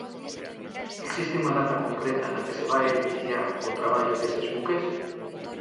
Existe unha data concreta na que se vaia iniciar o traballo deses buques?